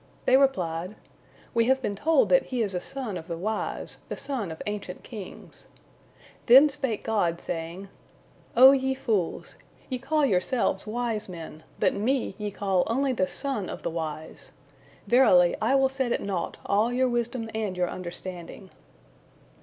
They replied, "We have been told that He is a son of the wise, the son of ancient kings." Then spake God, saying, "O ye fools! Ye call yourselves wise men, but Me ye call only the son of the wise. Verily, I will set at naught all your wisdom and your understanding."